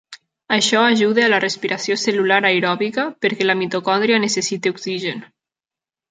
Això ajuda a la respiració cel·lular aeròbica perquè la mitocòndria necessita oxigen.